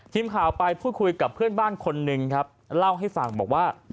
ทีมข่าวไปพูดคุยกับเพื่อนบ้านคนหนึ่งครับเล่าให้ฟังบอกว่า